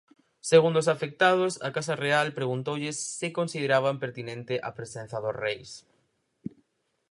Segundo os afectados, a Casa Real preguntoulles se consideraban pertinente a presenza dos reis.